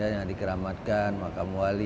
yang dikeramatkan makam wali